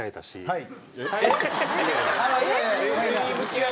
はい。